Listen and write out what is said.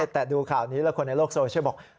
แต่ดูข่าวนี้แล้วคนในโลกโซเชียลบอก